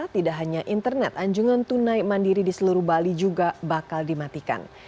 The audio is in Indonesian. tidak hanya internet anjungan tunai mandiri di seluruh bali juga bakal dimatikan